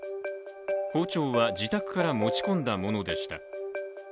包丁は、自宅から持ち込んだものでした。